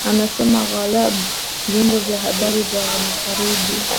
anasema aghalab vyombo vya habari vya magharibi